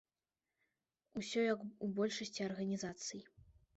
Усё як у большасці арганізацый.